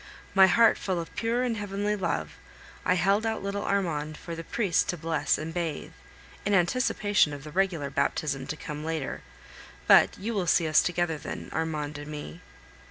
My heart full of pure and heavenly love, I held out little Armand for the priest to bless and bathe, in anticipation of the regular baptism to come later. But you will see us together then, Armand and me.